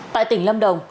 tại tỉnh lâm đồng